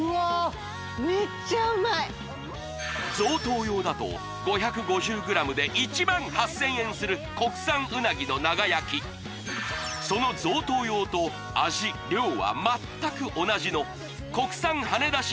贈答用だと５５０ｇで１８０００円する国産うなぎの長焼きその贈答用と味量は全く同じの国産はね出し